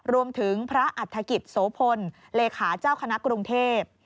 รวมถึงพระอัฐกิจโสพลเลขาเจ้าคณะกรุงเทพ